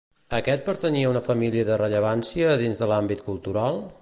Aquest pertanyia a una família de rellevància dins de l'àmbit cultural?